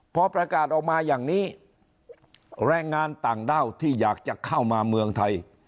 พอประกาศออกมาอย่างนี้แรงงานต่างด้าวที่อยากจะเข้ามาเมืองไทย